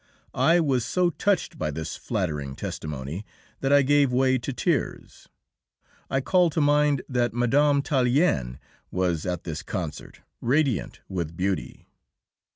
I was so touched by this flattering testimony that I gave way to tears. I call to mind that Mme. Tallien was at this concert, radiant with beauty.